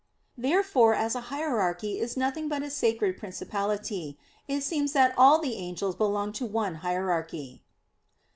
Therefore as a hierarchy is nothing but a sacred principality, it seems that all the angels belong to one hierarchy.